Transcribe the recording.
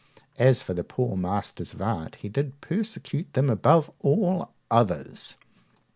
As for the poor masters of arts, he did persecute them above all others.